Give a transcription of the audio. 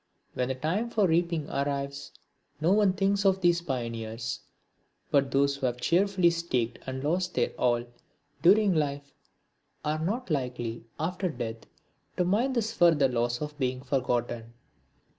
When the time for reaping arrives no one thinks of these pioneers; but those who have cheerfully staked and lost their all, during life, are not likely, after death, to mind this further loss of being forgotten.